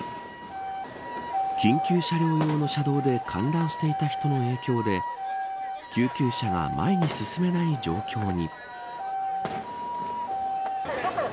緊急車両用の車道で観覧していた人の影響で救急車が前に進めない状況に。